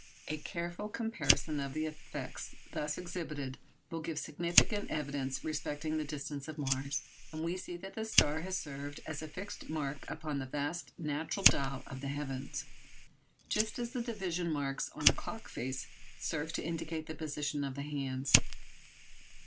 A careful comparison of the effects thus exhibited will give significant evidence respecting the distance of Mars. And we see that the star has served as a fixed mark upon the vast natural dial of the heavens, just as the division marks on a clock face serve to indicate the position of the hands.